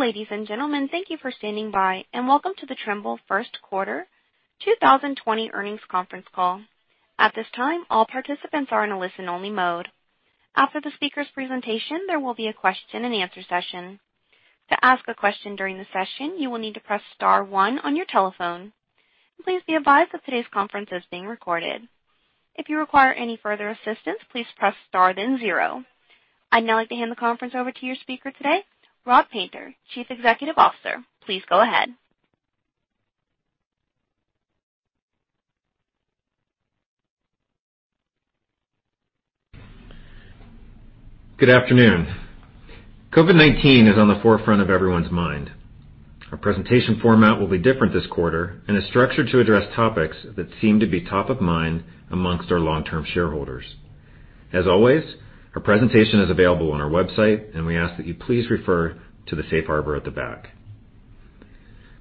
Ladies and gentlemen, thank you for standing by, and welcome to the Trimble first quarter 2020 earnings conference call. At this time, all participants are in a listen-only mode. After the speaker's presentation, there will be a question and answer session. To ask a question during the session, you will need to press star one on your telephone. Please be advised that today's conference is being recorded. If you require any further assistance, please press star then zero. I'd now like to hand the conference over to your speaker today, Rob Painter, Chief Executive Officer. Please go ahead. Good afternoon. COVID-19 is on the forefront of everyone's mind. Our presentation format will be different this quarter and is structured to address topics that seem to be top of mind amongst our long-term shareholders. As always, our presentation is available on our website, and we ask that you please refer to the safe harbor at the back.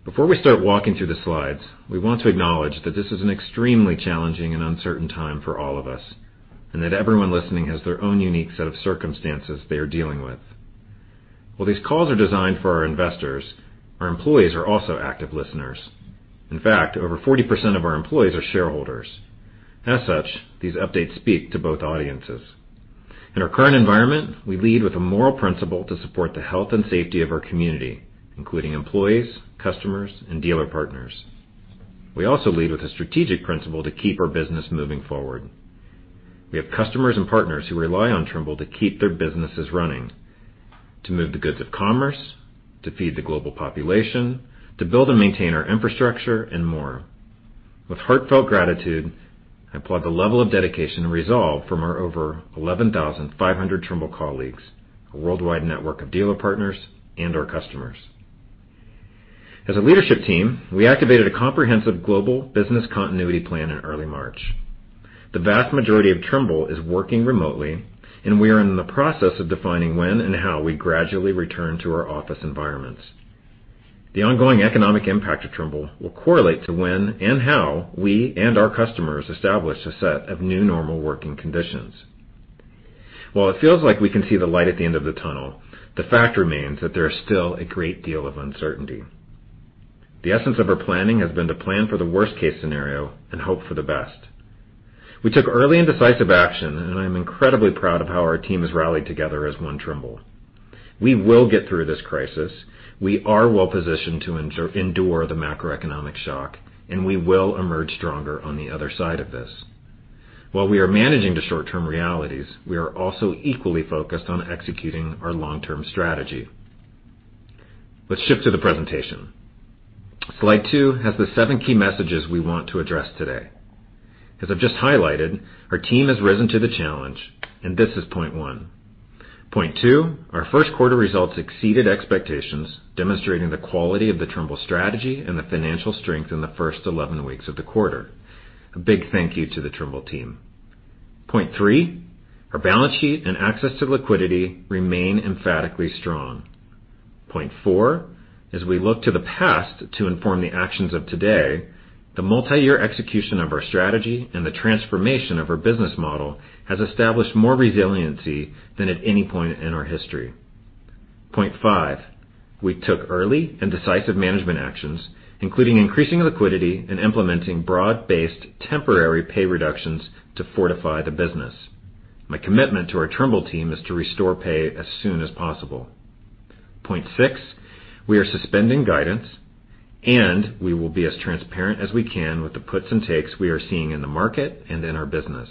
Before we start walking through the slides, we want to acknowledge that this is an extremely challenging and uncertain time for all of us, and that everyone listening has their own unique set of circumstances they are dealing with. While these calls are designed for our investors, our employees are also active listeners. In fact, over 40% of our employees are shareholders. As such, these updates speak to both audiences. In our current environment, we lead with a moral principle to support the health and safety of our community, including employees, customers, and dealer partners. We also lead with a strategic principle to keep our business moving forward. We have customers and partners who rely on Trimble to keep their businesses running, to move the goods of commerce, to feed the global population, to build and maintain our infrastructure, and more. With heartfelt gratitude, I applaud the level of dedication and resolve from our over 11,500 Trimble colleagues, a worldwide network of dealer partners, and our customers. As a leadership team, we activated a comprehensive global business continuity plan in early March. The vast majority of Trimble is working remotely, and we are in the process of defining when and how we gradually return to our office environments. The ongoing economic impact to Trimble will correlate to when and how we and our customers establish a set of new normal working conditions. While it feels like we can see the light at the end of the tunnel, the fact remains that there is still a great deal of uncertainty. The essence of our planning has been to plan for the worst-case scenario and hope for the best. We took early and decisive action, and I am incredibly proud of how our team has rallied together as one Trimble. We will get through this crisis. We are well positioned to endure the macroeconomic shock, and we will emerge stronger on the other side of this. While we are managing the short-term realities, we are also equally focused on executing our long-term strategy. Let's shift to the presentation. Slide two has the seven key messages we want to address today. As I've just highlighted, our team has risen to the challenge, and this is point one. Point two, our first quarter results exceeded expectations, demonstrating the quality of the Trimble strategy and the financial strength in the first 11 weeks of the quarter. A big thank you to the Trimble team. Point three, our balance sheet and access to liquidity remain emphatically strong. Point four, as we look to the past to inform the actions of today, the multi-year execution of our strategy and the transformation of our business model has established more resiliency than at any point in our history. Point five, we took early and decisive management actions, including increasing liquidity and implementing broad-based temporary pay reductions to fortify the business. My commitment to our Trimble team is to restore pay as soon as possible. Point six, we are suspending guidance, and we will be as transparent as we can with the puts and takes we are seeing in the market and in our business.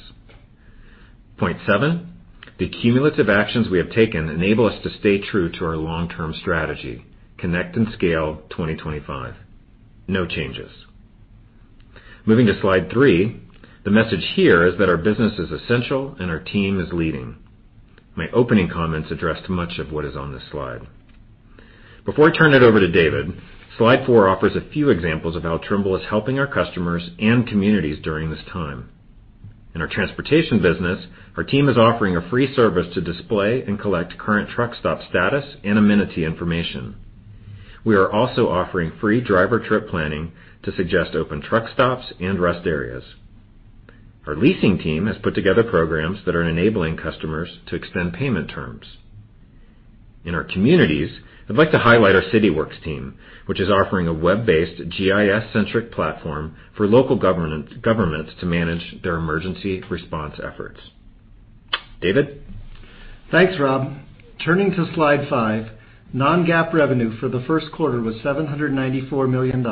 Point seven, the cumulative actions we have taken enable us to stay true to our long-term strategy, Connect and Scale 2025. No changes. Moving to slide three, the message here is that our business is essential and our team is leading. My opening comments addressed much of what is on this slide. Before I turn it over to David, slide four offers a few examples of how Trimble is helping our customers and communities during this time. In our transportation business, our team is offering a free service to display and collect current truck stop status and amenity information. We are also offering free driver trip planning to suggest open truck stops and rest areas. Our leasing team has put together programs that are enabling customers to extend payment terms. In our communities, I'd like to highlight our Cityworks team, which is offering a web-based GIS-centric platform for local governments to manage their emergency response efforts. David? Thanks, Rob. Turning to slide five, non-GAAP revenue for the first quarter was $794 million,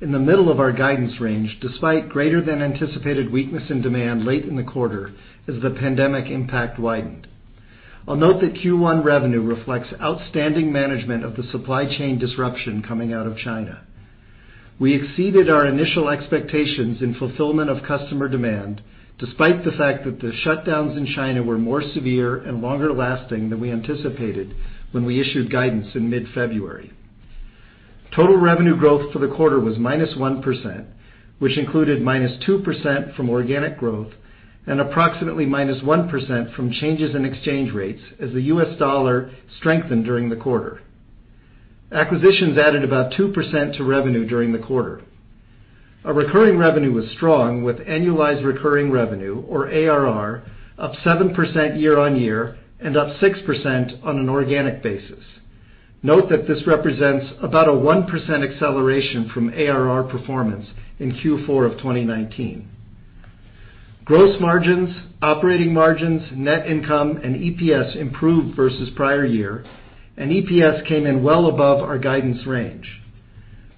in the middle of our guidance range, despite greater than anticipated weakness in demand late in the quarter as the pandemic impact widened. I'll note that Q1 revenue reflects outstanding management of the supply chain disruption coming out of China. We exceeded our initial expectations in fulfillment of customer demand, despite the fact that the shutdowns in China were more severe and longer lasting than we anticipated when we issued guidance in mid-February. Total revenue growth for the quarter was minus 1%, which included minus 2% from organic growth and approximately minus 1% from changes in exchange rates as the U.S. dollar strengthened during the quarter. Our recurring revenue was strong with annualized recurring revenue, or ARR, up 7% year-on-year and up 6% on an organic basis. Note that this represents about a 1% acceleration from ARR performance in Q4 of 2019. Gross margins, operating margins, net income, and EPS improved versus prior year, and EPS came in well above our guidance range.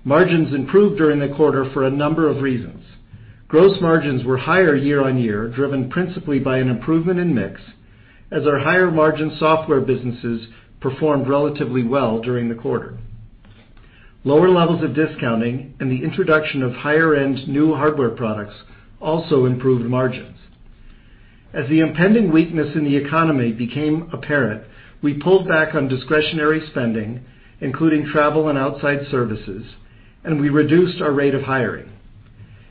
Margins improved during the quarter for a number of reasons. Gross margins were higher year-on-year, driven principally by an improvement in mix as our higher margin software businesses performed relatively well during the quarter. Lower levels of discounting and the introduction of higher end new hardware products also improved margins. As the impending weakness in the economy became apparent, we pulled back on discretionary spending, including travel and outside services, and we reduced our rate of hiring.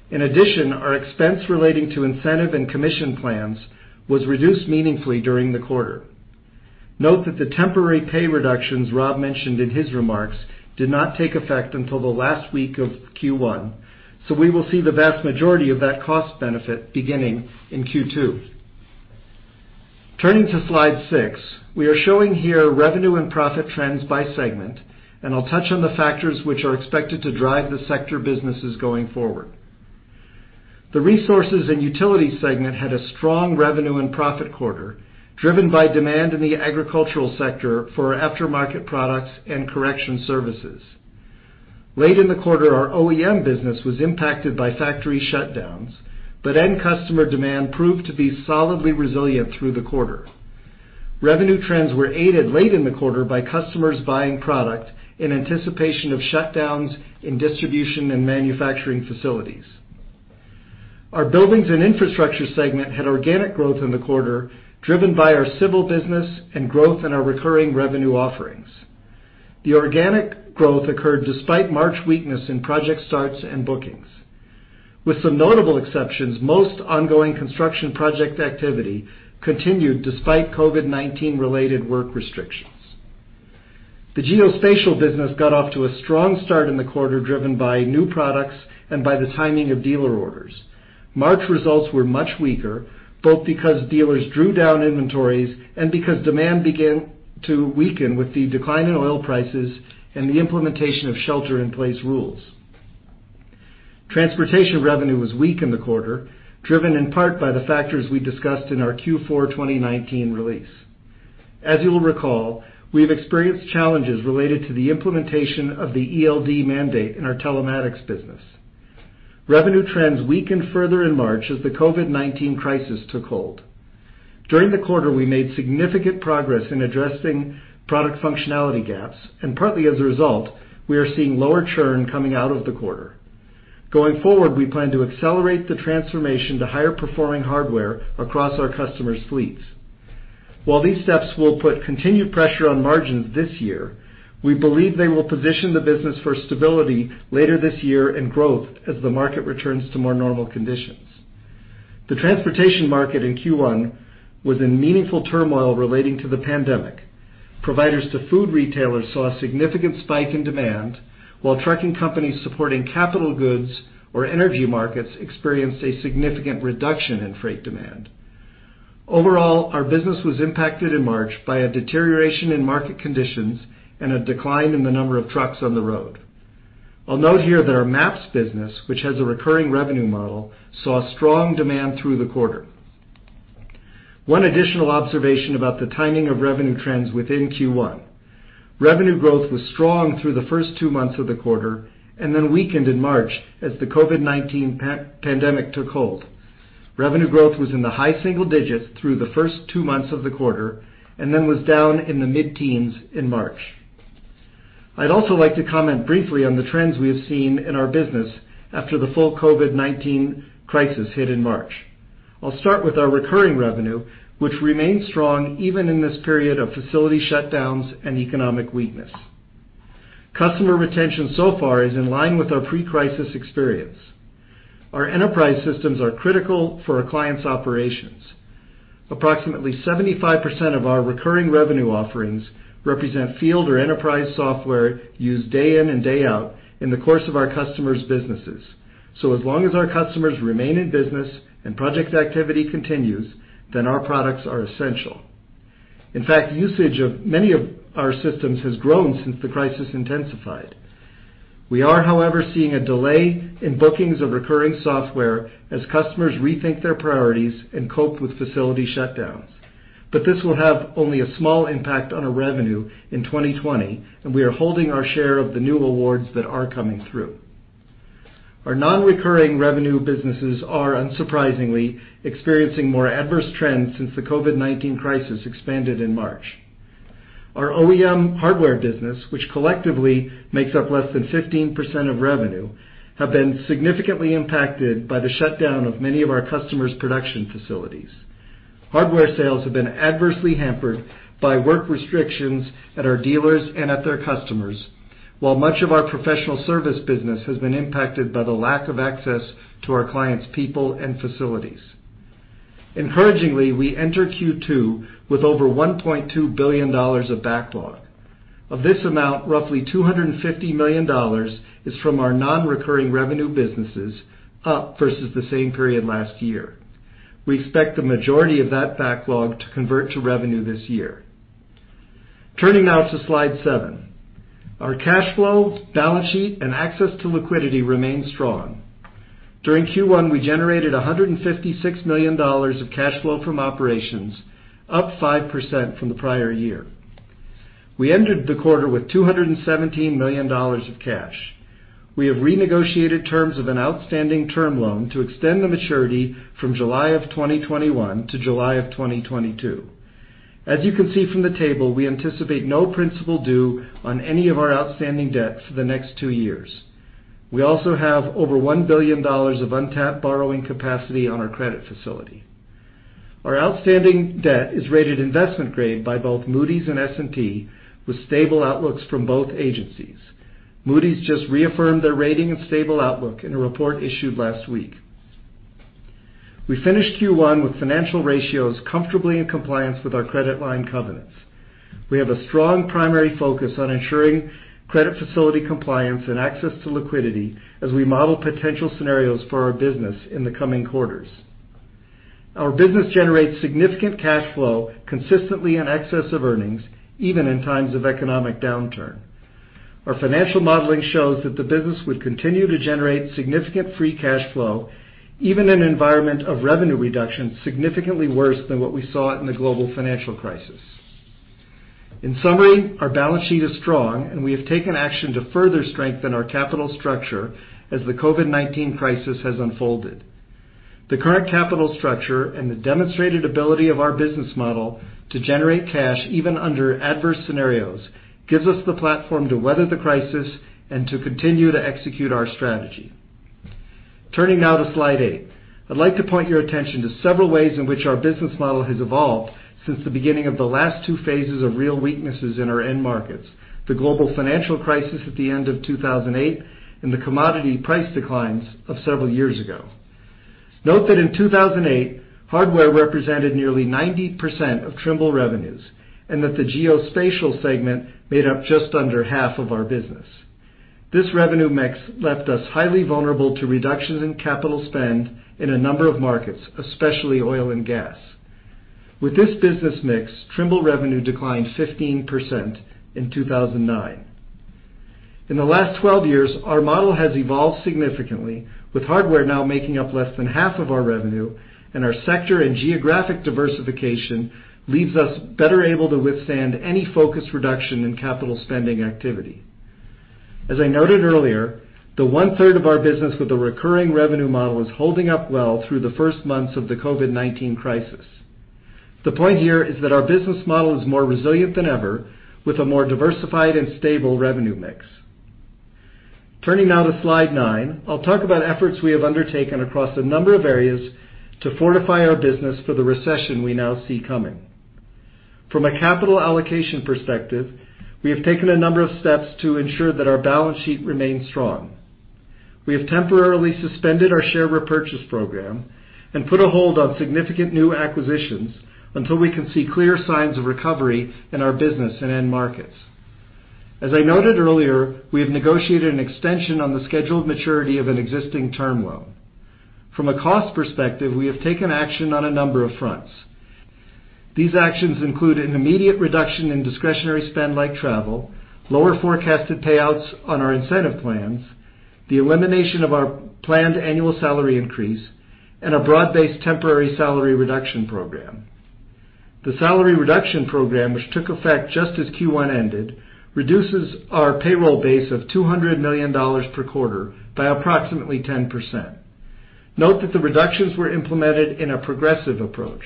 In addition, our expense relating to incentive and commission plans was reduced meaningfully during the quarter. Note that the temporary pay reductions Rob mentioned in his remarks did not take effect until the last week of Q1, so we will see the vast majority of that cost benefit beginning in Q2. Turning to slide six, we are showing here revenue and profit trends by segment, and I'll touch on the factors which are expected to drive the sector businesses going forward. The resources and utilities segment had a strong revenue and profit quarter, driven by demand in the agricultural sector for aftermarket products and correction services. Late in the quarter, our OEM business was impacted by factory shutdowns, but end customer demand proved to be solidly resilient through the quarter. Revenue trends were aided late in the quarter by customers buying product in anticipation of shutdowns in distribution and manufacturing facilities. Our buildings and infrastructure segment had organic growth in the quarter, driven by our civil business and growth in our recurring revenue offerings. The organic growth occurred despite March weakness in project starts and bookings. With some notable exceptions, most ongoing construction project activity continued despite COVID-19 related work restrictions. The geospatial business got off to a strong start in the quarter, driven by new products and by the timing of dealer orders. March results were much weaker, both because dealers drew down inventories and because demand began to weaken with the decline in oil prices and the implementation of shelter in place rules. Transportation revenue was weak in the quarter, driven in part by the factors we discussed in our Q4 2019 release. As you will recall, we've experienced challenges related to the implementation of the ELD mandate in our telematics business. Revenue trends weakened further in March as the COVID-19 crisis took hold. During the quarter, we made significant progress in addressing product functionality gaps, and partly as a result, we are seeing lower churn coming out of the quarter. Going forward, we plan to accelerate the transformation to higher performing hardware across our customers' fleets. While these steps will put continued pressure on margins this year, we believe they will position the business for stability later this year and growth as the market returns to more normal conditions. The transportation market in Q1 was in meaningful turmoil relating to the pandemic. Providers to food retailers saw a significant spike in demand, while trucking companies supporting capital goods or energy markets experienced a significant reduction in freight demand. Overall, our business was impacted in March by a deterioration in market conditions and a decline in the number of trucks on the road. I'll note here that our maps business, which has a recurring revenue model, saw strong demand through the quarter. One additional observation about the timing of revenue trends within Q1. Revenue growth was strong through the first two months of the quarter and then weakened in March as the COVID-19 pandemic took hold. Revenue growth was in the high single digits through the first two months of the quarter and then was down in the mid-teens in March. I'd also like to comment briefly on the trends we have seen in our business after the full COVID-19 crisis hit in March. I'll start with our recurring revenue, which remains strong even in this period of facility shutdowns and economic weakness. Customer retention so far is in line with our pre-crisis experience. Our enterprise systems are critical for our clients' operations. Approximately 75% of our recurring revenue offerings represent field or enterprise software used day in and day out in the course of our customers' businesses. As long as our customers remain in business and project activity continues, our products are essential. In fact, usage of many of our systems has grown since the crisis intensified. We are, however, seeing a delay in bookings of recurring software as customers rethink their priorities and cope with facility shutdowns. This will have only a small impact on our revenue in 2020, and we are holding our share of the new awards that are coming through. Our non-recurring revenue businesses are, unsurprisingly, experiencing more adverse trends since the COVID-19 crisis expanded in March. Our OEM hardware business, which collectively makes up less than 15% of revenue, have been significantly impacted by the shutdown of many of our customers' production facilities. Hardware sales have been adversely hampered by work restrictions at our dealers and at their customers. While much of our professional service business has been impacted by the lack of access to our clients' people and facilities. Encouragingly, we enter Q2 with over $1.2 billion of backlog. Of this amount, roughly $250 million is from our non-recurring revenue businesses, up versus the same period last year. We expect the majority of that backlog to convert to revenue this year. Turning now to slide seven. Our cash flow, balance sheet, and access to liquidity remain strong. During Q1, we generated $156 million of cash flow from operations, up 5% from the prior year. We ended the quarter with $217 million of cash. We have renegotiated terms of an outstanding term loan to extend the maturity from July of 2021 to July of 2022. As you can see from the table, we anticipate no principal due on any of our outstanding debts for the next two years. We also have over $1 billion of untapped borrowing capacity on our credit facility. Our outstanding debt is rated investment grade by both Moody's and S&P, with stable outlooks from both agencies. Moody's just reaffirmed their rating and stable outlook in a report issued last week. We finished Q1 with financial ratios comfortably in compliance with our credit line covenants. We have a strong primary focus on ensuring credit facility compliance and access to liquidity as we model potential scenarios for our business in the coming quarters. Our business generates significant cash flow consistently in excess of earnings, even in times of economic downturn. Our financial modeling shows that the business would continue to generate significant free cash flow, even in an environment of revenue reduction significantly worse than what we saw in the global financial crisis. In summary, our balance sheet is strong, and we have taken action to further strengthen our capital structure as the COVID-19 crisis has unfolded. The current capital structure and the demonstrated ability of our business model to generate cash, even under adverse scenarios, gives us the platform to weather the crisis and to continue to execute our strategy. Turning now to slide eight. I'd like to point your attention to several ways in which our business model has evolved since the beginning of the last two phases of real weaknesses in our end markets, the global financial crisis at the end of 2008, and the commodity price declines of several years ago. Note that in 2008, hardware represented nearly 90% of Trimble revenues, and that the geospatial segment made up just under half of our business. This revenue mix left us highly vulnerable to reductions in capital spend in a number of markets, especially oil and gas. With this business mix, Trimble revenue declined 15% in 2009. In the last 12 years, our model has evolved significantly, with hardware now making up less than half of our revenue, and our sector and geographic diversification leaves us better able to withstand any focused reduction in capital spending activity. As I noted earlier, the one-third of our business with a recurring revenue model is holding up well through the first months of the COVID-19 crisis. The point here is that our business model is more resilient than ever, with a more diversified and stable revenue mix. Turning now to slide nine, I'll talk about efforts we have undertaken across a number of areas to fortify our business for the recession we now see coming. From a capital allocation perspective, we have taken a number of steps to ensure that our balance sheet remains strong. We have temporarily suspended our share repurchase program and put a hold on significant new acquisitions until we can see clear signs of recovery in our business and end markets. As I noted earlier, we have negotiated an extension on the scheduled maturity of an existing term loan. From a cost perspective, we have taken action on a number of fronts. These actions include an immediate reduction in discretionary spend like travel, lower forecasted payouts on our incentive plans, the elimination of our planned annual salary increase, and a broad-based temporary salary reduction program. The salary reduction program, which took effect just as Q1 ended, reduces our payroll base of $200 million per quarter by approximately 10%. Note that the reductions were implemented in a progressive approach.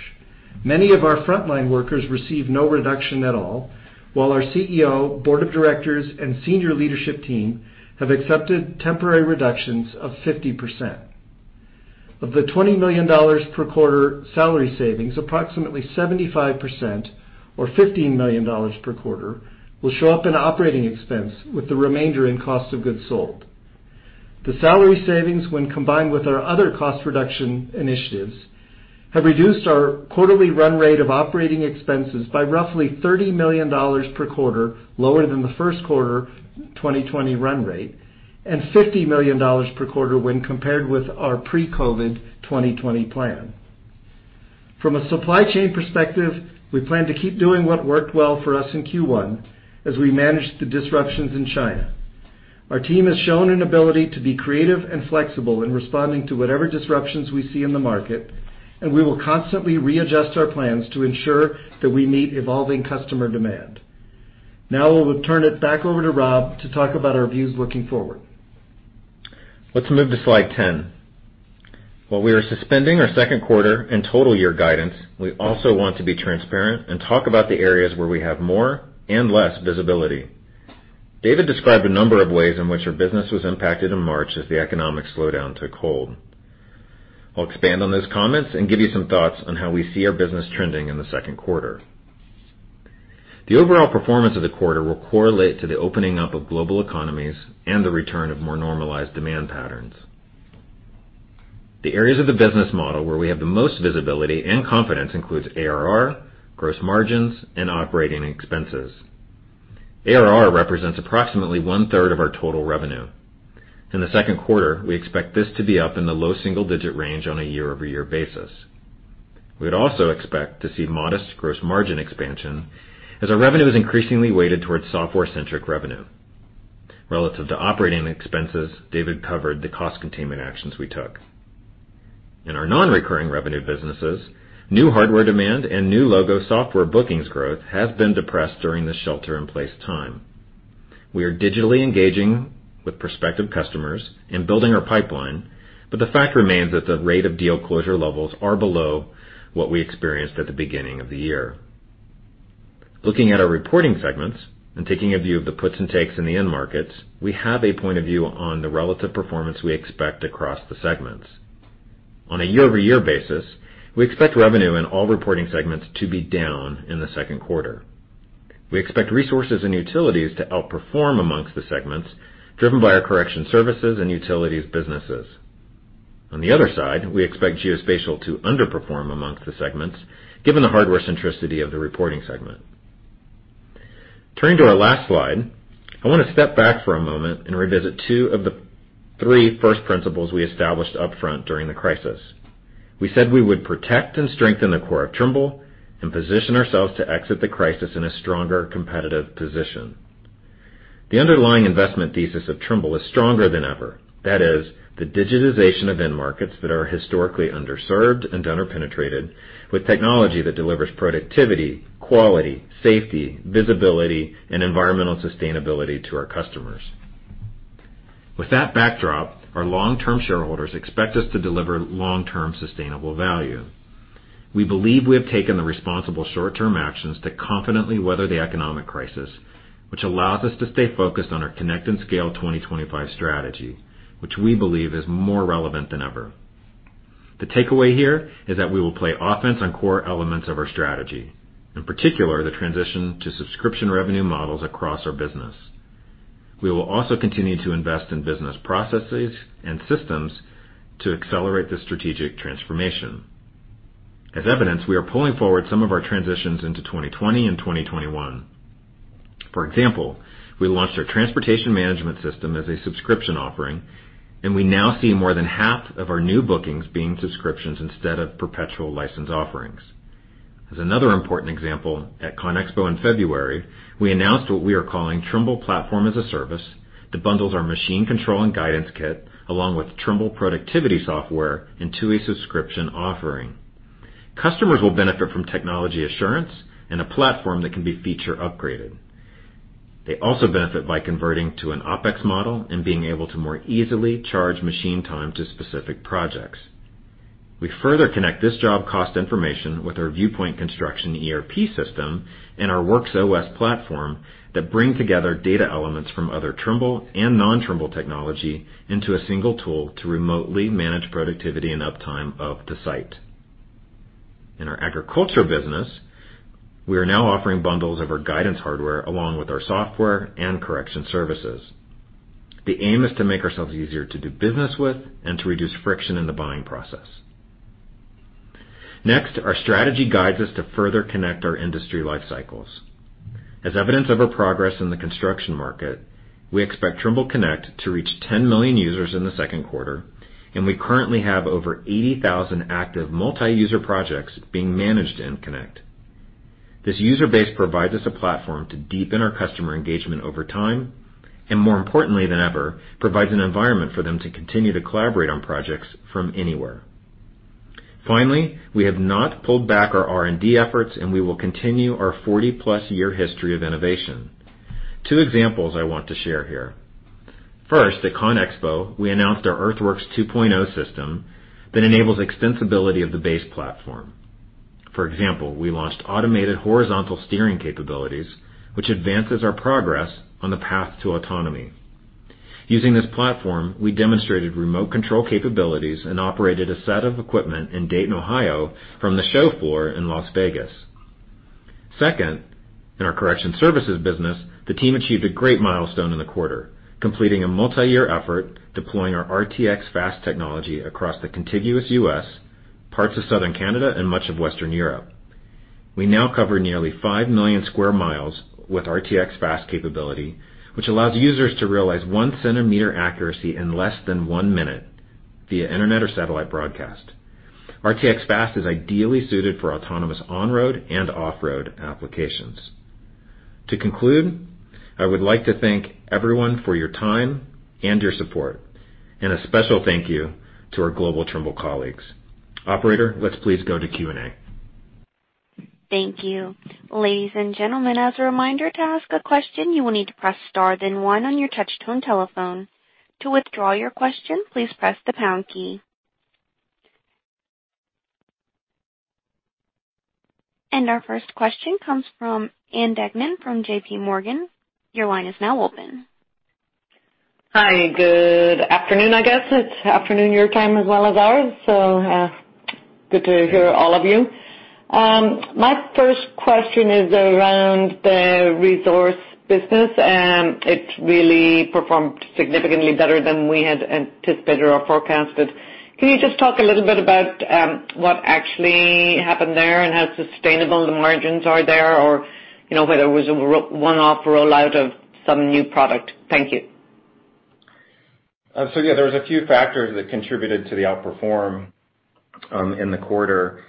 Many of our frontline workers receive no reduction at all, while our CEO, board of directors, and senior leadership team have accepted temporary reductions of 50%. Of the $20 million per quarter salary savings, approximately 75%, or $15 million per quarter, will show up in operating expense with the remainder in cost of goods sold. The salary savings, when combined with our other cost reduction initiatives, have reduced our quarterly run rate of operating expenses by roughly $30 million per quarter lower than the first quarter 2020 run rate, and $50 million per quarter when compared with our pre-COVID 2020 plan. From a supply chain perspective, we plan to keep doing what worked well for us in Q1 as we managed the disruptions in China. Our team has shown an ability to be creative and flexible in responding to whatever disruptions we see in the market, and we will constantly readjust our plans to ensure that we meet evolving customer demand. Now, I will turn it back over to Rob to talk about our views looking forward. Let's move to slide 10. While we are suspending our second quarter and total year guidance, we also want to be transparent and talk about the areas where we have more and less visibility. David described a number of ways in which our business was impacted in March as the economic slowdown took hold. I'll expand on those comments and give you some thoughts on how we see our business trending in the second quarter. The overall performance of the quarter will correlate to the opening up of global economies and the return of more normalized demand patterns. The areas of the business model where we have the most visibility and confidence includes ARR, gross margins, and operating expenses. ARR represents approximately one-third of our total revenue. In the second quarter, we expect this to be up in the low single-digit range on a year-over-year basis. We'd also expect to see modest gross margin expansion as our revenue is increasingly weighted towards software-centric revenue. Relative to operating expenses, David covered the cost containment actions we took. In our non-recurring revenue businesses, new hardware demand and new logo software bookings growth has been depressed during the shelter-in-place time. We are digitally engaging with prospective customers and building our pipeline, but the fact remains that the rate of deal closure levels are below what we experienced at the beginning of the year. Looking at our reporting segments and taking a view of the puts and takes in the end markets, we have a point of view on the relative performance we expect across the segments. On a year-over-year basis, we expect revenue in all reporting segments to be down in the second quarter. We expect resources and utilities to outperform amongst the segments, driven by our correction services and utilities businesses. On the other side, we expect geospatial to underperform amongst the segments, given the hardware centricity of the reporting segment. Turning to our last slide, I want to step back for a moment and revisit two of the three first principles we established upfront during the crisis. We said we would protect and strengthen the core of Trimble and position ourselves to exit the crisis in a stronger competitive position. The underlying investment thesis of Trimble is stronger than ever. That is, the digitization of end markets that are historically underserved and under-penetrated with technology that delivers productivity, quality, safety, visibility, and environmental sustainability to our customers. With that backdrop, our long-term shareholders expect us to deliver long-term sustainable value. We believe we have taken the responsible short-term actions to confidently weather the economic crisis, which allows us to stay focused on our Connect and Scale 2025 strategy, which we believe is more relevant than ever. The takeaway here is that we will play offense on core elements of our strategy, in particular, the transition to subscription revenue models across our business. We will also continue to invest in business processes and systems to accelerate the strategic transformation. As evidence, we are pulling forward some of our transitions into 2020 and 2021. For example, we launched our transportation management system as a subscription offering, and we now see more than half of our new bookings being subscriptions instead of perpetual license offerings. As another important example, at ConExpo in February, we announced what we are calling Trimble Platform as a Service that bundles our machine control and guidance kit along with Trimble productivity software into a subscription offering. Customers will benefit from technology assurance and a platform that can be feature upgraded. They also benefit by converting to an OpEx model and being able to more easily charge machine time to specific projects. We further connect this job cost information with our Viewpoint Construction ERP system and our WorksOS platform that bring together data elements from other Trimble and non-Trimble technology into a single tool to remotely manage productivity and uptime of the site. In our agriculture business, we are now offering bundles of our guidance hardware along with our software and correction services. The aim is to make ourselves easier to do business with and to reduce friction in the buying process. Next, our strategy guides us to further connect our industry life cycles. As evidence of our progress in the construction market, we expect Trimble Connect to reach 10 million users in the second quarter, and we currently have over 80,000 active multi-user projects being managed in Connect. This user base provides us a platform to deepen our customer engagement over time. More importantly than ever, provides an environment for them to continue to collaborate on projects from anywhere. Finally, we have not pulled back our R&D efforts, and we will continue our 40-plus-year history of innovation. Two examples I want to share here. First, at ConExpo, we announced our Earthworks 2.0 system that enables extensibility of the base platform. For example, we launched automated horizontal steering capabilities, which advances our progress on the path to autonomy. Using this platform, we demonstrated remote control capabilities and operated a set of equipment in Dayton, Ohio, from the show floor in Las Vegas. Second, in our correction services business, the team achieved a great milestone in the quarter, completing a multi-year effort deploying our RTX Fast technology across the contiguous U.S., parts of southern Canada, and much of Western Europe. We now cover nearly 5 million square miles with RTX Fast capability, which allows users to realize one-centimeter accuracy in less than one minute via internet or satellite broadcast. RTX Fast is ideally suited for autonomous on-road and off-road applications. To conclude, I would like to thank everyone for your time and your support, a special thank you to our global Trimble colleagues. Operator, let's please go to Q&A. Thank you. Ladies and gentlemen, as a reminder, to ask a question, you will need to press star then one on your touch-tone telephone. To withdraw your question, please press the pound key. Our first question comes from Ann Duignan from JPMorgan. Your line is now open. Hi, good afternoon, I guess. It's afternoon your time as well as ours, so good to hear all of you. My first question is around the resource business. It really performed significantly better than we had anticipated or forecasted. Can you just talk a little bit about what actually happened there, and how sustainable the margins are there, or whether it was a one-off rollout of some new product? Thank you. Yeah, there was a few factors that contributed to the outperformance in the quarter,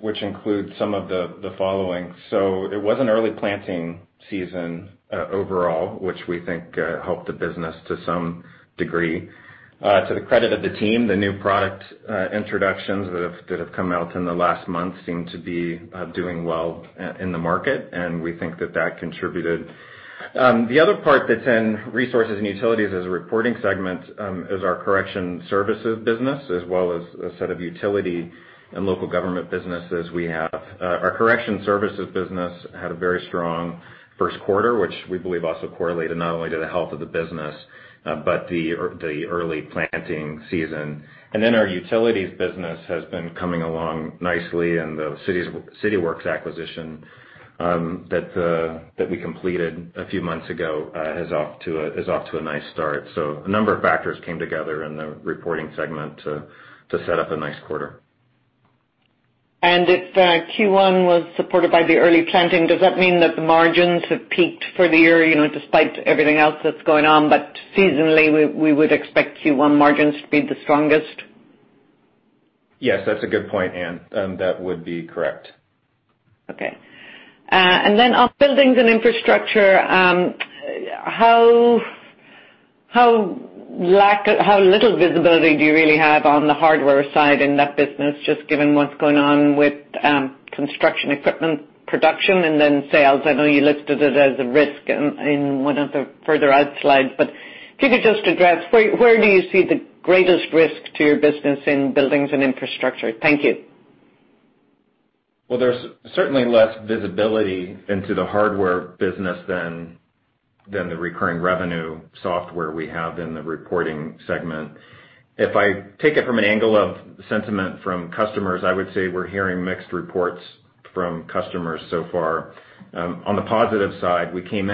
which include some of the following. It was an early planting season overall, which we think helped the business to some degree. To the credit of the team, the new product introductions that have come out in the last month seem to be doing well in the market, and we think that that contributed. The other part that's in resources and utilities as a reporting segment is our correction services business, as well as a set of utility and local government businesses we have. Our correction services business had a very strong first quarter, which we believe also correlated not only to the health of the business, but the early planting season. Our utilities business has been coming along nicely, and the Cityworks acquisition that we completed a few months ago is off to a nice start. A number of factors came together in the reporting segment to set up a nice quarter. If Q1 was supported by the early planting, does that mean that the margins have peaked for the year, despite everything else that's going on, but seasonally, we would expect Q1 margins to be the strongest? Yes, that's a good point, Ann, that would be correct. Okay. On Buildings and Infrastructure, how little visibility do you really have on the hardware side in that business, just given what's going on with construction equipment production and then sales? I know you listed it as a risk in one of the further out slides, could you just address where do you see the greatest risk to your business in Buildings and Infrastructure? Thank you. There's certainly less visibility into the hardware business than the recurring revenue software we have in the reporting segment. If I take it from an angle of sentiment from customers, I would say we're hearing mixed reports from customers so far. On the positive side, as we came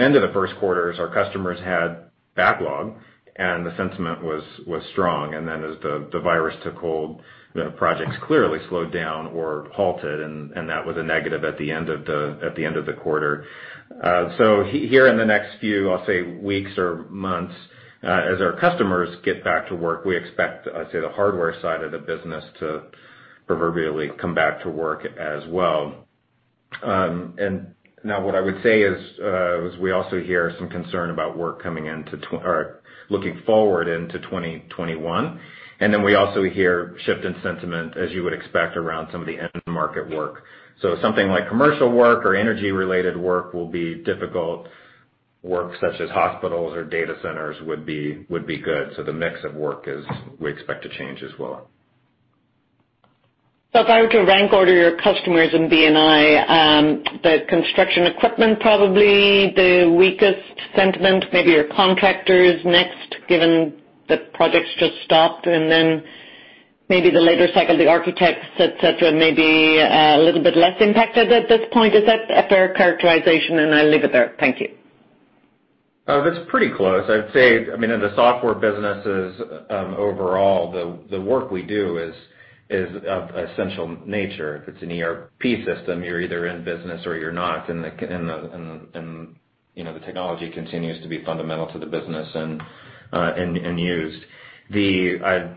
into the first quarters, our customers had backlog, and the sentiment was strong. Then as the virus took hold, the projects clearly slowed down or halted, and that was a negative at the end of the quarter. Here in the next few, I'll say, weeks or months, as our customers get back to work, we expect, I'd say, the hardware side of the business to proverbially come back to work as well. Now what I would say is, we also hear some concern about work looking forward into 2021. We also hear shift in sentiment, as you would expect, around some of the end market work. Something like commercial work or energy-related work will be difficult work, such as hospitals or data centers would be good. The mix of work we expect to change as well. If I were to rank order your customers in B&I, the construction equipment probably the weakest sentiment, maybe your contractors next, given that projects just stopped, then maybe the later cycle, the architects, et cetera, may be a little bit less impacted at this point. Is that a fair characterization? I leave it there. Thank you. That's pretty close. I'd say, in the software businesses, overall, the work we do is of essential nature. If it's an ERP system, you're either in business or you're not, and the technology continues to be fundamental to the business and used. Maybe as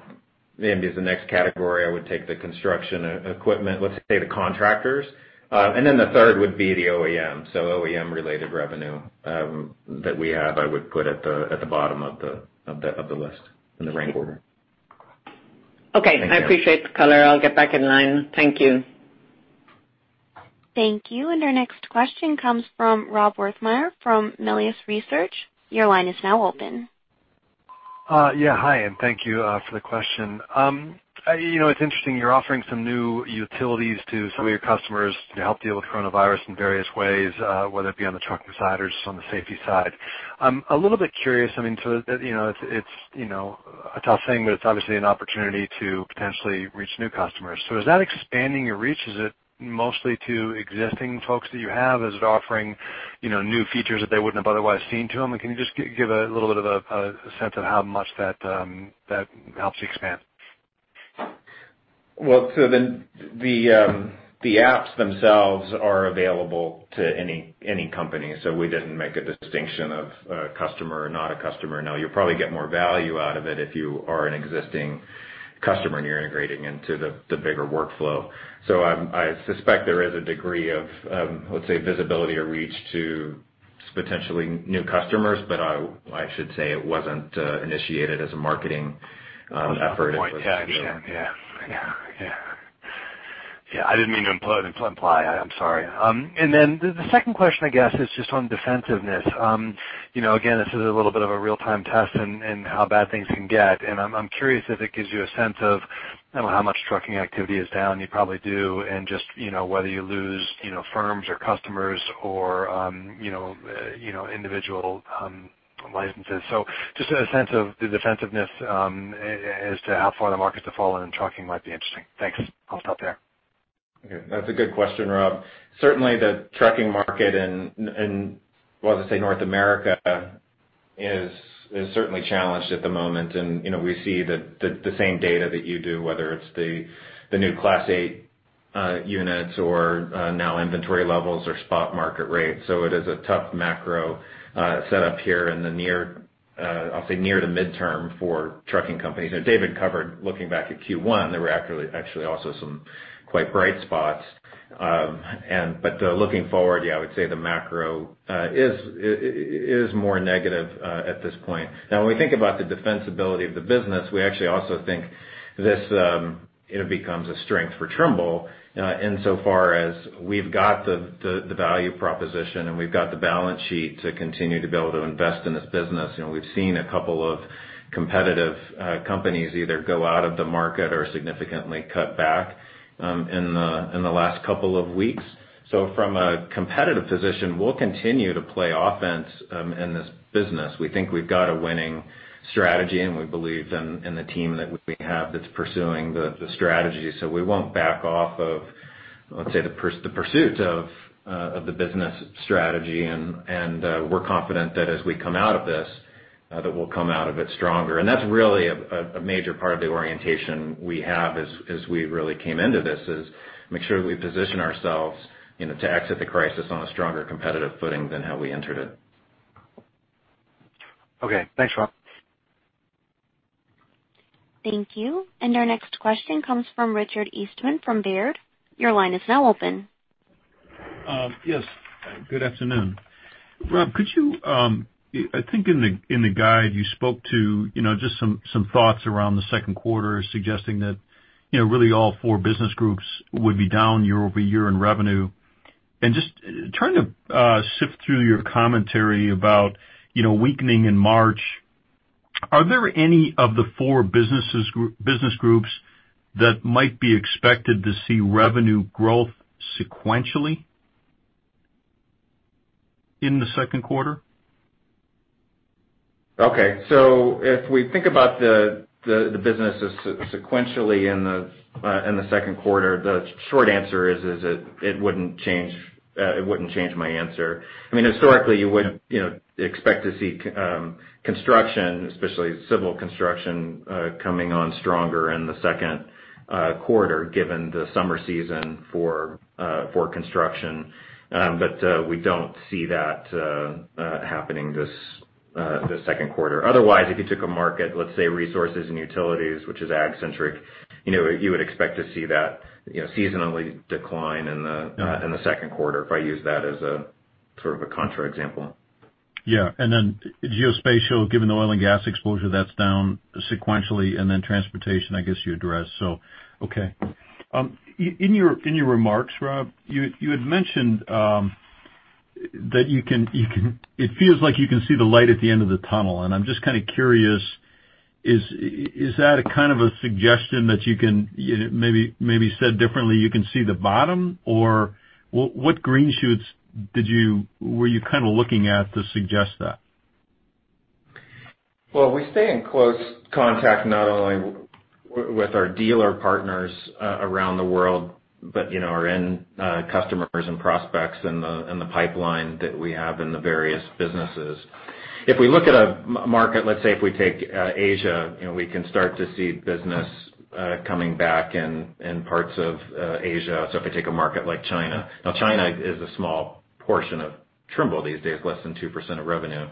the next category, I would take the construction equipment, let's say the contractors, and then the third would be the OEM. OEM-related revenue that we have, I would put at the bottom of the list in the rank order. Okay. Thank you. I appreciate the color. I'll get back in line. Thank you. Thank you. Our next question comes from Rob Wertheimer from Melius Research. Your line is now open. Hi, and thank you for the question. It's interesting you're offering some new utilities to some of your customers to help deal with coronavirus in various ways, whether it be on the trucking side or just on the safety side. I'm a little bit curious. It's a tough thing, but it's obviously an opportunity to potentially reach new customers. Is that expanding your reach? Is it mostly to existing folks that you have? Is it offering new features that they wouldn't have otherwise seen to them? Can you just give a little bit of a sense of how much that helps you expand? The apps themselves are available to any company. We didn't make a distinction of a customer or not a customer. You'll probably get more value out of it if you are an existing customer, and you're integrating into the bigger workflow. I suspect there is a degree of, let's say, visibility or reach to potentially new customers, but I should say it wasn't initiated as a marketing effort. Good point. Yeah, I didn't mean to imply. I'm sorry. The second question, I guess, is just on defensiveness. Again, this is a little bit of a real-time test in how bad things can get, and I'm curious if it gives you a sense of how much trucking activity is down, you probably do, and just whether you lose firms or customers or individual licenses. Just a sense of the defensiveness as to how far the market's to fall in trucking might be interesting. Thanks. I'll stop there. Okay. That's a good question, Rob. Certainly, the trucking market in, well, let's say North America, is certainly challenged at the moment. We see the same data that you do, whether it's the new Class 8 units or now inventory levels or spot market rates. It is a tough macro setup here in the near to midterm for trucking companies. David covered, looking back at Q1, there were actually also some quite bright spots. Looking forward, yeah, I would say the macro is more negative at this point. When we think about the defensibility of the business, we actually also think this becomes a strength for Trimble in so far as we've got the value proposition and we've got the balance sheet to continue to be able to invest in this business. We've seen a couple of competitive companies either go out of the market or significantly cut back in the last couple of weeks. From a competitive position, we'll continue to play offense in this business. We think we've got a winning strategy, and we believe in the team that we have that's pursuing the strategy. We won't back off of, let's say, the pursuit of the business strategy. We're confident that as we come out of this, that we'll come out of it stronger. That's really a major part of the orientation we have as we really came into this, is make sure that we position ourselves to exit the crisis on a stronger competitive footing than how we entered it. Okay. Thanks, Rob. Thank you. Our next question comes from Richard Eastman from Baird. Your line is now open. Yes. Good afternoon. Rob, I think in the guide you spoke to just some thoughts around the second quarter suggesting that really all four business groups would be down year-over-year in revenue. Just trying to sift through your commentary about weakening in March, are there any of the four business groups that might be expected to see revenue growth sequentially in the second quarter? If we think about the businesses sequentially in the second quarter, the short answer is it wouldn't change my answer. Historically, you would expect to see construction, especially civil construction, coming on stronger in the second quarter, given the summer season for construction. We don't see that happening this second quarter. If you took a market, let's say resources and utilities, which is ag-centric, you would expect to see that seasonally decline in the second quarter, if I use that as a contra example. Yeah. Geospatial, given the oil and gas exposure, that's down sequentially, transportation, I guess you addressed. In your remarks, Rob, you had mentioned that it feels like you can see the light at the end of the tunnel, I'm just kind of curious, is that a kind of a suggestion that you can, maybe said differently, you can see the bottom? What green shoots were you kind of looking at to suggest that? Well, we stay in close contact not only with our dealer partners around the world, but our end customers and prospects in the pipeline that we have in the various businesses. If we look at a market, let's say if we take Asia, we can start to see business coming back in parts of Asia. If I take a market like China. Now, China is a small portion of Trimble these days, less than 2% of revenue,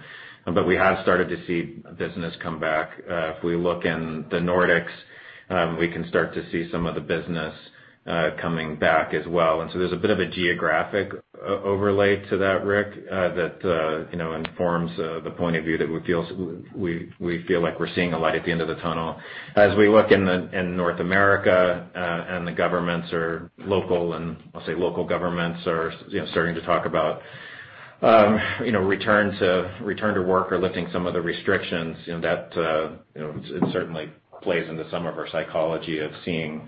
but we have started to see business come back. If we look in the Nordics, we can start to see some of the business coming back as well. There's a bit of a geographic overlay to that, Rick, that informs the point of view that we feel like we're seeing a light at the end of the tunnel. As we look in North America and the governments are local, and I'll say local governments are starting to talk about return to work or lifting some of the restrictions, that it certainly plays into some of our psychology of seeing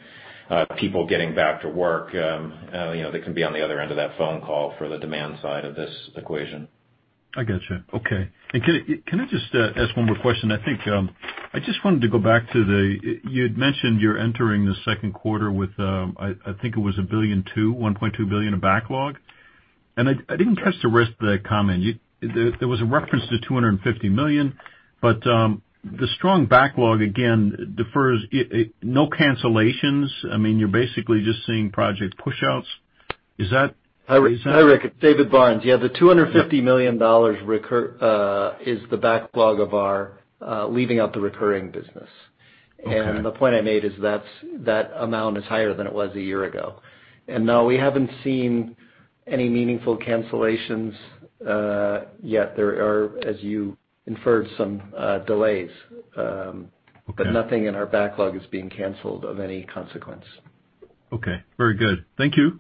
people getting back to work that can be on the other end of that phone call for the demand side of this equation. I gotcha. Okay. Can I just ask one more question? I think I just wanted to go back to the, you'd mentioned you're entering the second quarter with, I think it was $1.2 billion, $1.2 billion of backlog. I didn't catch the rest of that comment. There was a reference to $250 million, the strong backlog again defers no cancellations. You're basically just seeing project push outs. Is that? Hi, Rick. David Barnes. Yeah, the $250 million is the backlog of our, leaving out the recurring business. Okay. The point I made is that amount is higher than it was a year ago. No, we haven't seen any meaningful cancellations yet. There are, as you inferred, some delays but nothing in our backlog is being canceled of any consequence. Okay. Very good. Thank you.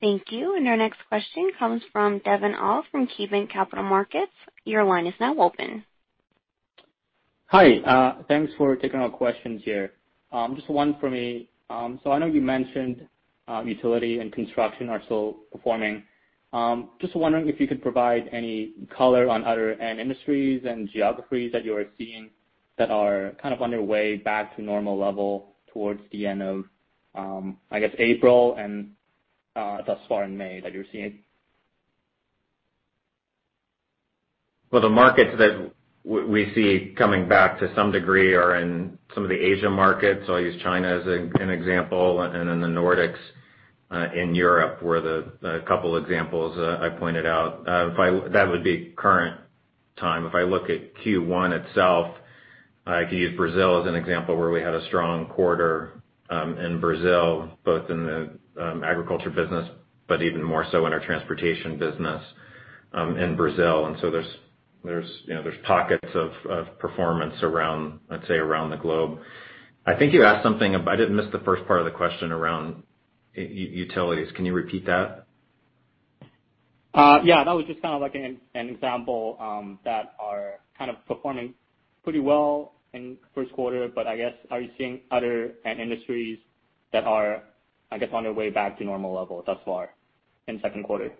Thank you. Our next question comes from Devin Au from KeyBanc Capital Markets. Your line is now open. Hi. Thanks for taking our questions here. Just one for me. I know you mentioned utility and construction are still performing. Just wondering if you could provide any color on other end industries and geographies that you are seeing that are kind of on their way back to normal level towards the end of, I guess, April and thus far in May that you're seeing. Well, the markets that we see coming back to some degree are in some of the Asia markets, I'll use China as an example, and in the Nordics in Europe, were the couple examples I pointed out. That would be current time. If I look at Q1 itself, I could use Brazil as an example, where we had a strong quarter, in Brazil, both in the agriculture business, but even more so in our transportation business in Brazil. There's pockets of performance around, let's say, around the globe. I think you asked something, I missed the first part of the question around utilities. Can you repeat that? Yeah, that was just kind of like an example that are kind of performing pretty well in first quarter. I guess, are you seeing other end industries that are, I guess, on their way back to normal level thus far in the second quarter?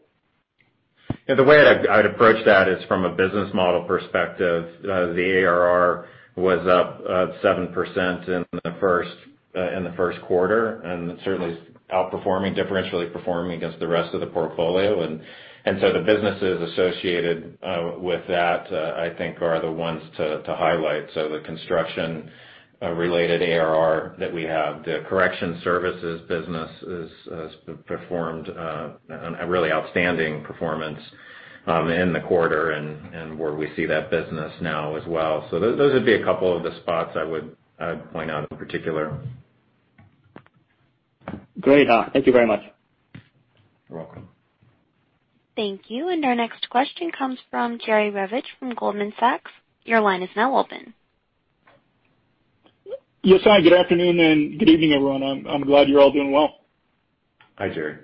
Yeah, the way I'd approach that is from a business model perspective, the ARR was up 7% in the first quarter, it certainly is outperforming, differentially performing against the rest of the portfolio. The businesses associated with that, I think are the ones to highlight. The construction-related ARR that we have, the correction services business has performed a really outstanding performance in the quarter and where we see that business now as well. Those would be a couple of the spots I would point out in particular. Great. Thank you very much. You're welcome. Thank you. Our next question comes from Jerry Revich from Goldman Sachs. Your line is now open. Yes. Hi, good afternoon and good evening, everyone. I'm glad you're all doing well. Hi, Jerry.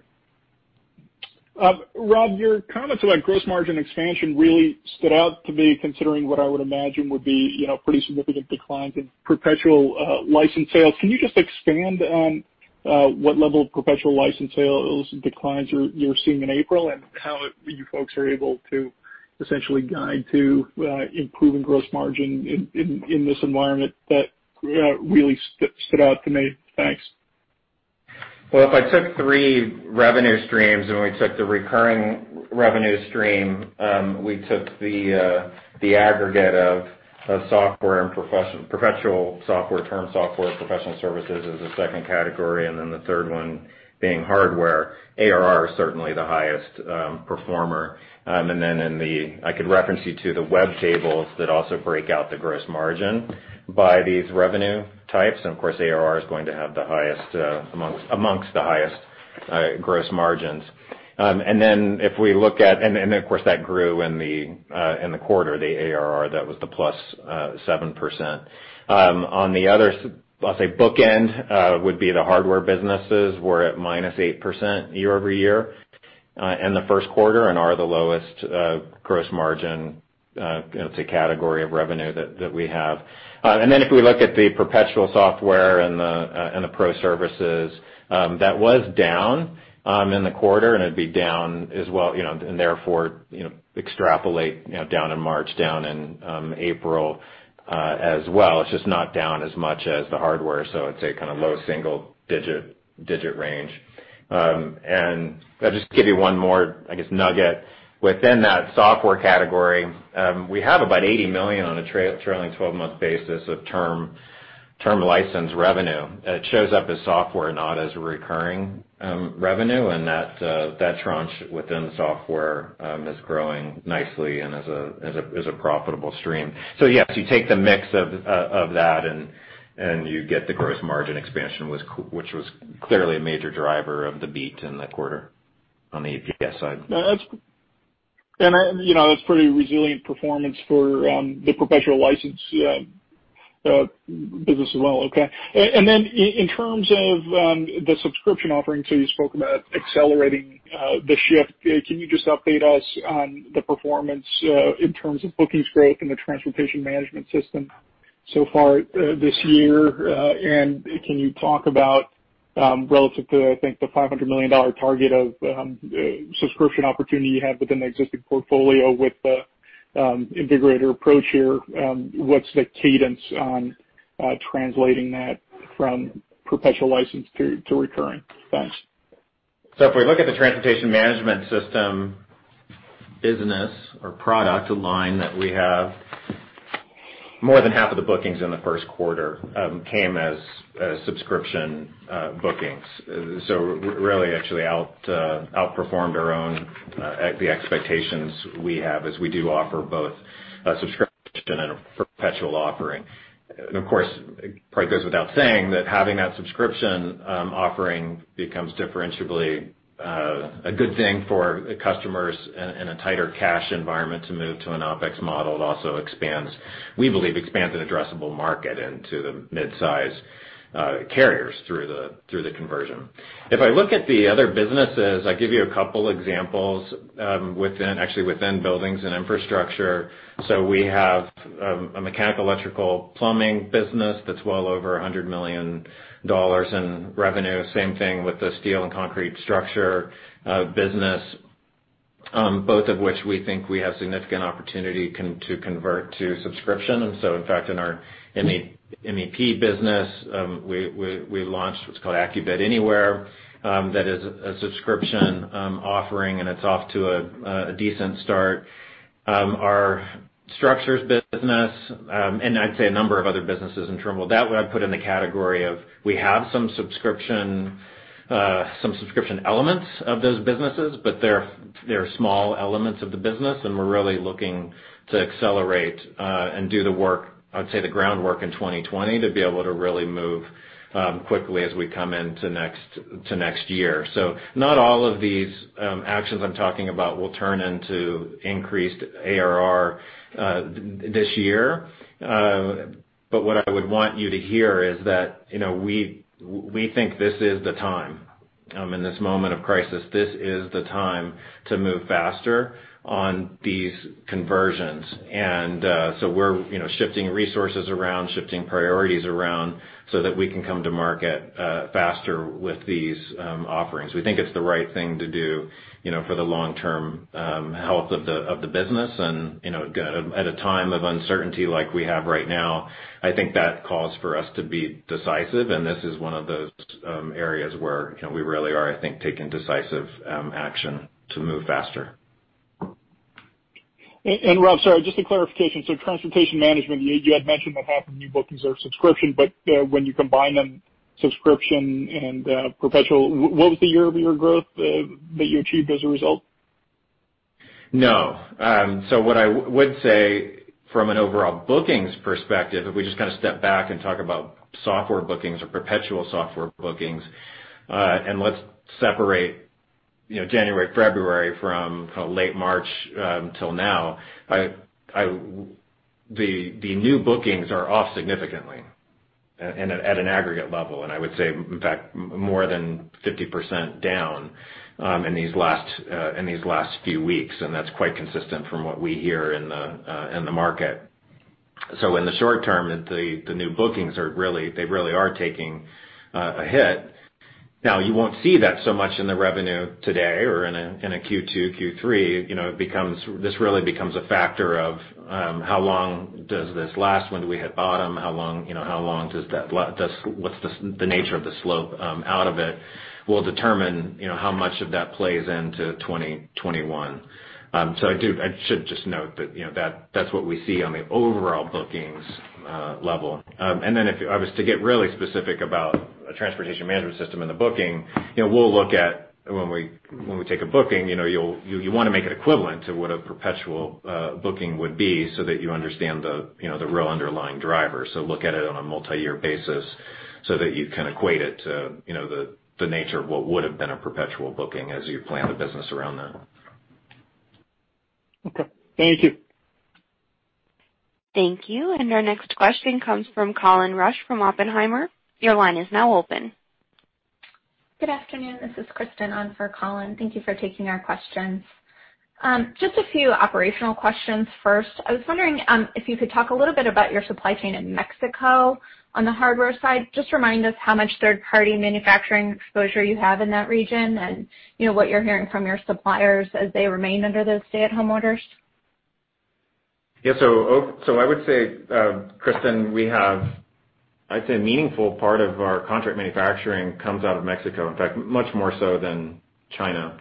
Rob, your comments about gross margin expansion really stood out to me, considering what I would imagine would be pretty significant declines in perpetual license sales. Can you just expand on what level of perpetual license sales declines you're seeing in April and how you folks are able to essentially guide to improving gross margin in this environment? That really stood out to me. Thanks. Well, if I took three revenue streams and we took the recurring revenue stream, we took the aggregate of software and professional, perpetual software, term software, professional services as a second category, then the third one being hardware, ARR is certainly the highest performer. I could reference you to the web tables that also break out the gross margin by these revenue types. Of course, ARR is going to have amongst the highest gross margins. Of course, that grew in the quarter, the ARR, that was the +7%. On the other, I'll say, bookend would be the hardware businesses were at -8% year-over-year in the first quarter and are the lowest gross margin to category of revenue that we have. If we look at the perpetual software and the pro services, that was down in the quarter, and it'd be down as well, therefore, extrapolate down in March, down in April as well. It's just not down as much as the hardware, so it's a kind of low single-digit range. I'll just give you one more, I guess, nugget. Within that software category, we have about $80 million on a trailing 12-month basis of term license revenue. It shows up as software, not as recurring revenue. That tranche within software is growing nicely and is a profitable stream. Yes, you take the mix of that and you get the gross margin expansion, which was clearly a major driver of the beat in the quarter on the EPS side. That's pretty resilient performance for the professional license business as well. Okay. In terms of the subscription offering too, you spoke about accelerating the shift. Can you just update us on the performance in terms of bookings growth in the transportation management system so far this year? Can you talk about, relative to, I think, the $500 million target of subscription opportunity you have within the existing portfolio with the integrator approach here, what's the cadence on translating that from perpetual license to recurring? Thanks. If we look at the transportation management system business or product line that we have, more than half of the bookings in the first quarter came as subscription bookings. Really actually outperformed our own, the expectations we have, as we do offer both a subscription and a perpetual offering. Of course, probably goes without saying that having that subscription offering becomes differentiably a good thing for customers in a tighter cash environment to move to an OpEx model. It also, we believe, expands an addressable market into the mid-size carriers through the conversion. If I look at the other businesses, I give you a couple examples, actually within buildings and infrastructure. We have a mechanical electrical plumbing business that's well over $100 million in revenue. Same thing with the steel and concrete structure business, both of which we think we have significant opportunity to convert to subscription. In fact, in our MEP business, we launched what's called Accubid Anywhere. That is a subscription offering, and it's off to a decent start. Our structures business, and I'd say a number of other businesses in Trimble, that I put in the category of, we have some subscription elements of those businesses, but they're small elements of the business, and we're really looking to accelerate, and do the work, I'd say the groundwork in 2020 to be able to really move quickly as we come into next year. Not all of these actions I'm talking about will turn into increased ARR this year. What I would want you to hear is that we think this is the time, in this moment of crisis, this is the time to move faster on these conversions. We're shifting resources around, shifting priorities around so that we can come to market faster with these offerings. We think it's the right thing to do for the long-term health of the business and at a time of uncertainty like we have right now, I think that calls for us to be decisive. This is one of those areas where we really are, I think, taking decisive action to move faster. Rob, sorry, just a clarification. Transportation management, you had mentioned that half of new bookings are subscription, but when you combine them, subscription and perpetual, what was the year-over-year growth that you achieved as a result? No. What I would say from an overall bookings perspective, if we just kind of step back and talk about software bookings or perpetual software bookings, and let's separate January, February from late March until now. The new bookings are off significantly and at an aggregate level. I would say, in fact, more than 50% down in these last few weeks, and that's quite consistent from what we hear in the market. In the short term, the new bookings they really are taking a hit. Now, you won't see that so much in the revenue today or in a Q2, Q3. This really becomes a factor of how long does this last, when do we hit bottom? What's the nature of the slope out of it will determine how much of that plays into 2021. I should just note that's what we see on the overall bookings level. If I was to get really specific about a transportation management system in the booking, we'll look at when we take a booking, you want to make it equivalent to what a perpetual booking would be so that you understand the real underlying driver. Look at it on a multi-year basis so that you can equate it to the nature of what would've been a perpetual booking as you plan the business around that. Okay. Thank you. Thank you. Our next question comes from Colin Rusch from Oppenheimer. Your line is now open. Good afternoon. This is Kristen on for Colin. Thank you for taking our questions. Just a few operational questions first. I was wondering if you could talk a little bit about your supply chain in Mexico on the hardware side, just remind us how much third-party manufacturing exposure you have in that region and what you're hearing from your suppliers as they remain under those stay-at-home orders. I would say, Kristen, we have, I'd say, a meaningful part of our contract manufacturing comes out of Mexico, in fact, much more so than China.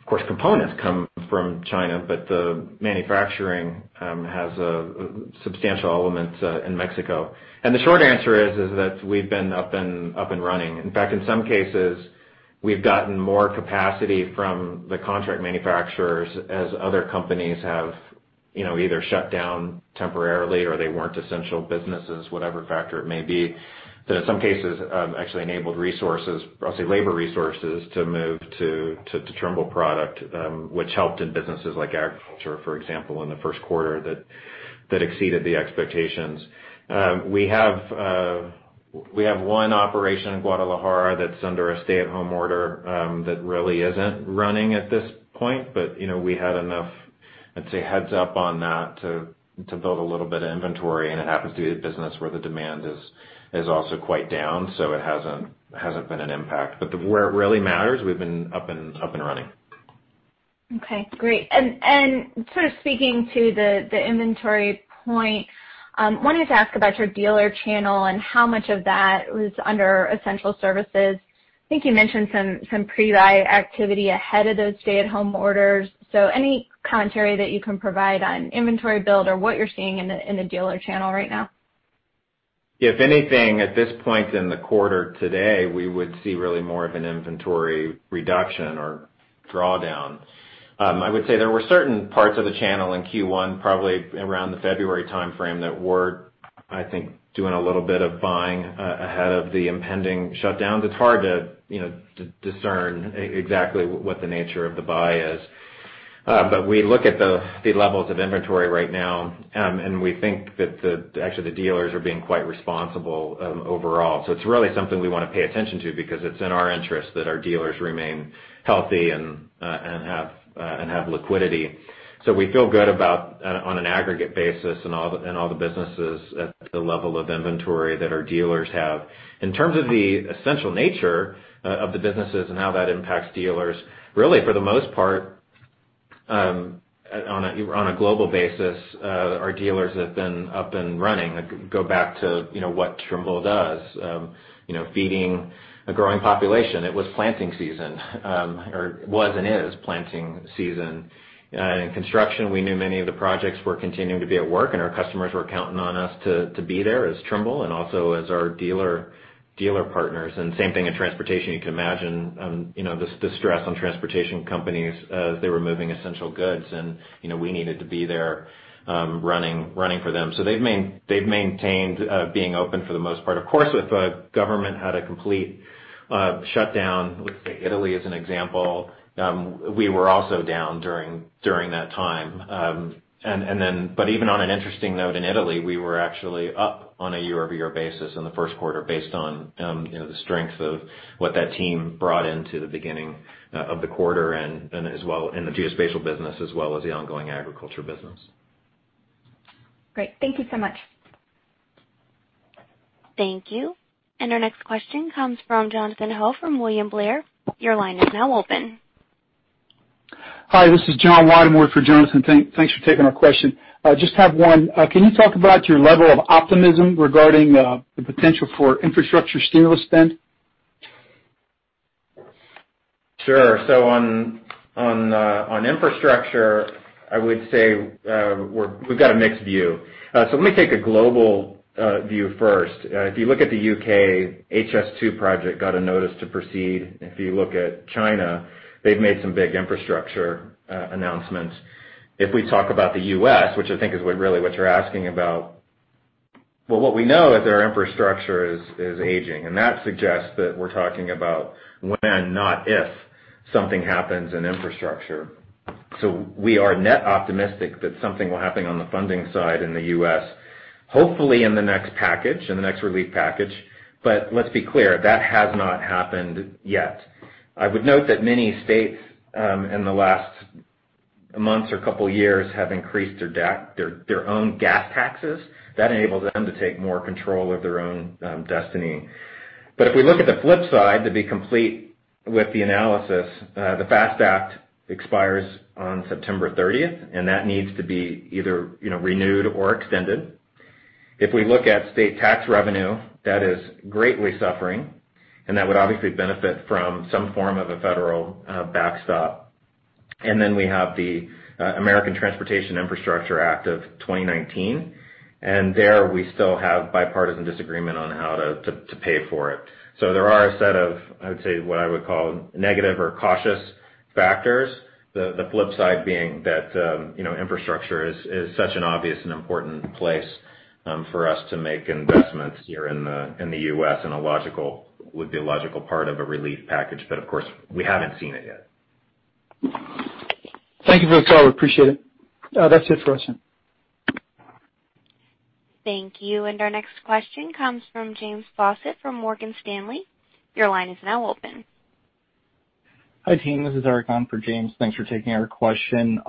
Of course, components come from China, but the manufacturing has a substantial element in Mexico. The short answer is that we've been up and running. In fact, in some cases, we've gotten more capacity from the contract manufacturers as other companies have either shut down temporarily or they weren't essential businesses, whatever factor it may be. That in some cases, actually enabled resources, I'll say labor resources, to move to Trimble product, which helped in businesses like agriculture, for example, in the first quarter that exceeded the expectations. We have one operation in Guadalajara that's under a stay-at-home order, that really isn't running at this point. We had enough, I'd say, heads up on that to build a little bit of inventory. It happens to be the business where the demand is also quite down, so it hasn't been an impact. Where it really matters, we've been up and running. Okay, great. Sort of speaking to the inventory point, wanted to ask about your dealer channel and how much of that was under essential services. I think you mentioned some pre-buy activity ahead of those stay-at-home orders. Any commentary that you can provide on inventory build or what you're seeing in the dealer channel right now? If anything, at this point in the quarter today, we would see really more of an inventory reduction or drawdown. I would say there were certain parts of the channel in Q1, probably around the February timeframe, that were, I think, doing a little bit of buying, ahead of the impending shutdown. It's hard to discern exactly what the nature of the buy is. We look at the levels of inventory right now, and we think that actually the dealers are being quite responsible overall. It's really something we want to pay attention to because it's in our interest that our dealers remain healthy and have liquidity. We feel good about, on an aggregate basis in all the businesses at the level of inventory that our dealers have. In terms of the essential nature of the businesses and how that impacts dealers, really, for the most part, on a global basis, our dealers have been up and running. Go back to what Trimble does, feeding a growing population. It was planting season, or was and is planting season. In construction, we knew many of the projects were continuing to be at work, and our customers were counting on us to be there as Trimble and also as our dealer partners, and same thing in transportation. You can imagine the stress on transportation companies as they were moving essential goods, and we needed to be there running for them. They've maintained being open for the most part. Of course, if a government had a complete shutdown, let's say Italy as an example, we were also down during that time. Even on an interesting note, in Italy, we were actually up on a year-over-year basis in the first quarter based on the strength of what that team brought into the beginning of the quarter and the geospatial business as well as the ongoing agriculture business. Great. Thank you so much. Thank you. Our next question comes from Jonathan Ho from William Blair. Your line is now open. Hi, this is John Weidemoyer for Jonathan. Thanks for taking our question. I just have one. Can you talk about your level of optimism regarding the potential for infrastructure stimulus spend? Sure. On infrastructure, I would say, we've got a mixed view. Let me take a global view first. If you look at the U.K., HS2 project got a notice to proceed. If you look at China, they've made some big infrastructure announcements. If we talk about the U.S., which I think is really what you're asking about. What we know is our infrastructure is aging, and that suggests that we're talking about when, not if something happens in infrastructure. We are net optimistic that something will happen on the funding side in the U.S., hopefully in the next package, in the next relief package. Let's be clear, that has not happened yet. I would note that many states, in the last months or couple of years, have increased their own gas taxes. That enables them to take more control of their own destiny. If we look at the flip side, to be complete with the analysis, the FAST Act expires on September 30th, and that needs to be either renewed or extended. If we look at state tax revenue, that is greatly suffering, and that would obviously benefit from some form of a federal backstop. We have the America's Transportation Infrastructure Act of 2019, and there we still have bipartisan disagreement on how to pay for it. There are a set of, I would say, what I would call negative or cautious factors. The flip side being that infrastructure is such an obvious and important place for us to make investments here in the U.S. and would be a logical part of a relief package, but of course, we haven't seen it yet. Thank you for the call. Appreciate it. That's it for us then. Thank you. Our next question comes from James Fawcett from Morgan Stanley. Your line is now open. Hi, team. This is Eric on for James. Thanks for taking our question.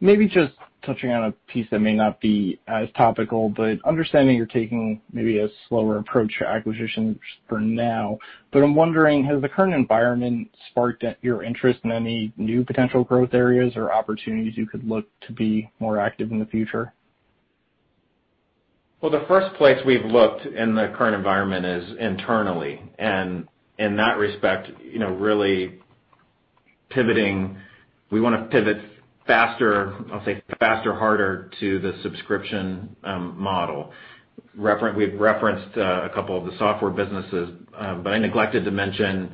Maybe just touching on a piece that may not be as topical, but understanding you're taking maybe a slower approach to acquisitions for now. I'm wondering, has the current environment sparked your interest in any new potential growth areas or opportunities you could look to be more active in the future? Well, the first place we've looked in the current environment is internally. In that respect, really pivoting, we want to pivot faster, I'll say faster, harder to the subscription model. We've referenced a couple of the software businesses, but I neglected to mention,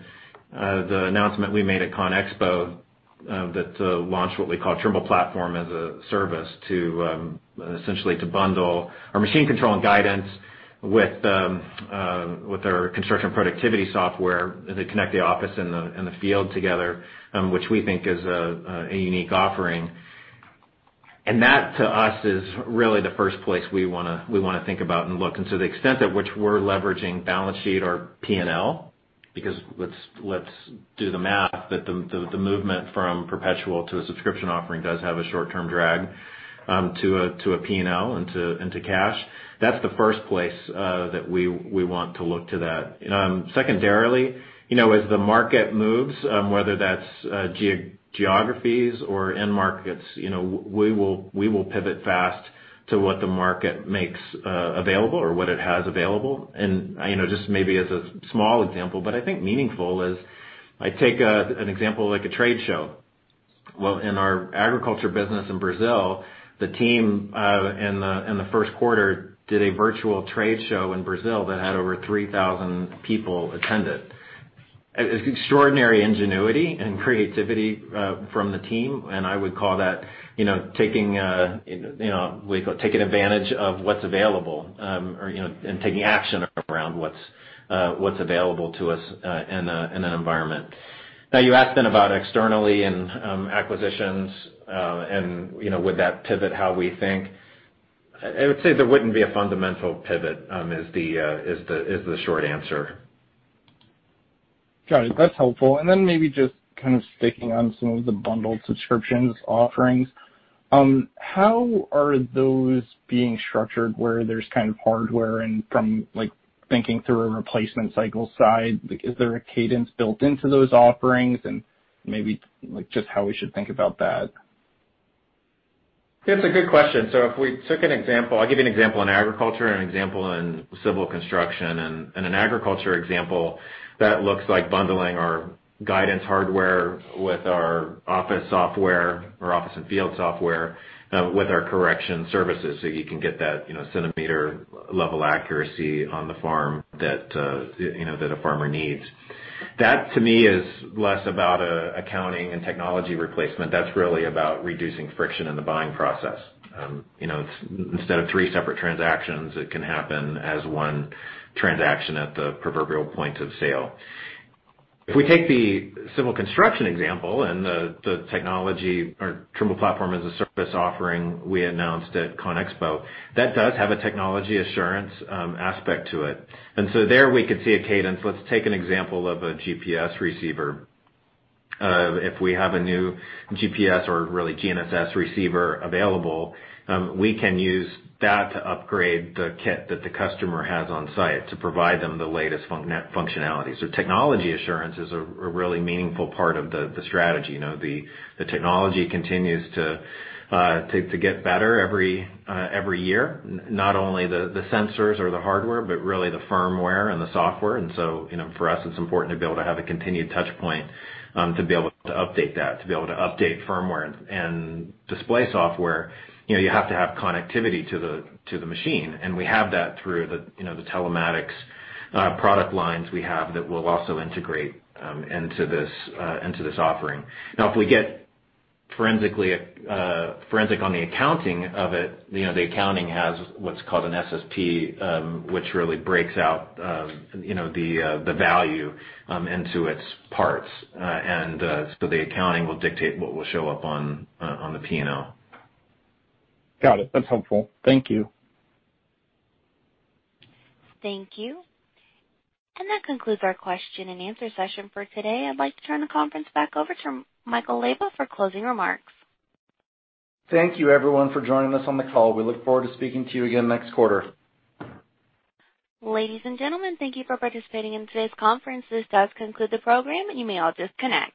the announcement we made at ConExpo, that launched what we call Trimble Platform as a Service essentially to bundle our machine control and guidance with our construction productivity software that connect the office and the field together, which we think is a unique offering. That to us is really the first place we want to think about and look into the extent at which we're leveraging balance sheet or P&L. Let's do the math, that the movement from perpetual to a subscription offering does have a short-term drag to a P&L and to cash. That's the first place that we want to look to that. Secondarily, as the market moves, whether that's geographies or end markets, we will pivot fast to what the market makes available or what it has available. Just maybe as a small example, but I think meaningful is I take an example like a trade show. In our agriculture business in Brazil, the team in the first quarter did a virtual trade show in Brazil that had over 3,000 people attend it. It's extraordinary ingenuity and creativity from the team, and I would call that taking advantage of what's available, or and taking action around what's available to us in an environment. You asked then about externally and acquisitions, and would that pivot how we think? I would say there wouldn't be a fundamental pivot, is the short answer. Got it. That's helpful. Maybe just kind of sticking on some of the bundled subscriptions offerings, how are those being structured where there's kind of hardware and from thinking through a replacement cycle side, is there a cadence built into those offerings? Maybe just how we should think about that. It's a good question. If we took an example, I'll give you an example in agriculture and an example in civil construction. In an agriculture example, that looks like bundling our guidance hardware with our office software, or office and field software, with our correction services, so you can get that centimeter-level accuracy on the farm that a farmer needs. That to me is less about accounting and technology replacement. That's really about reducing friction in the buying process. Instead of three separate transactions, it can happen as one transaction at the proverbial point of sale. If we take the civil construction example and the technology or Trimble Platform as a Service offering we announced at ConExpo, that does have a technology assurance aspect to it. There we could see a cadence. Let's take an example of a GPS receiver. If we have a new GPS or really GNSS receiver available, we can use that to upgrade the kit that the customer has on site to provide them the latest functionalities. technology assurance is a really meaningful part of the strategy. The technology continues to get better every year, not only the sensors or the hardware, but really the firmware and the software. For us, it's important to be able to have a continued touch point, to be able to update that, to be able to update firmware and display software. You have to have connectivity to the machine, and we have that through the telematics product lines we have that we'll also integrate into this offering. Now, if we get forensic on the accounting of it, the accounting has what's called an SSP, which really breaks out the value into its parts. The accounting will dictate what will show up on the P&L. Got it. That's helpful. Thank you. Thank you. That concludes our question and answer session for today. I'd like to turn the conference back over to Michael Leyba for closing remarks. Thank you, everyone, for joining us on the call. We look forward to speaking to you again next quarter. Ladies and gentlemen, thank you for participating in today's conference. This does conclude the program. You may all disconnect.